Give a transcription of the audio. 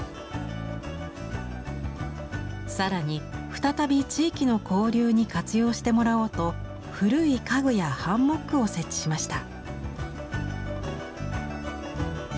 更に再び地域の交流に活用してもらおうと古い家具やハンモックを設置しました。